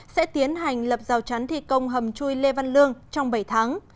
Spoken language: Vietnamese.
sẽ tiến hành lập rào chắn thi công hầm chui lê văn lương trong bảy tháng